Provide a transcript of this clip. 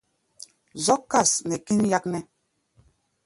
Zɔ́k kâs nɛ kín yáknɛ́.